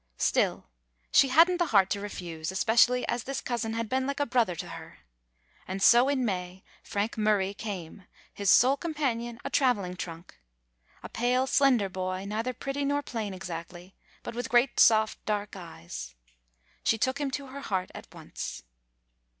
Still she had n't the heart to refuse, espe cially as this cousin had been like a brother to her. And so in May Frank Murray came, 'his sole companion a traveling trunk. A pale, slender boy, neither pretty nor plain exactly, but with great soft dark eyes. She took him to her heart at once.